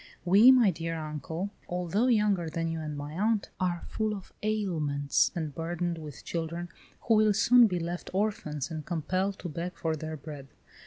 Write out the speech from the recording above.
We, my dear uncle, although younger than you and my aunt, are full of ailments and burdened with children, who will soon be left orphans and compelled to beg for their bread.